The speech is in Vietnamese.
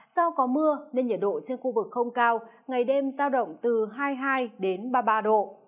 do có mưa nên nhiệt độ trên khu vực không cao ngày đêm giao động từ hai mươi hai ba mươi ba độ